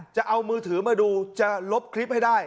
จะเอามือถือมาดูจะลบคลิปให้ได้